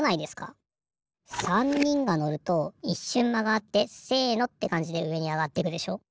３にんがのるといっしゅんまがあって「せの！」ってかんじでうえにあがっていくでしょ。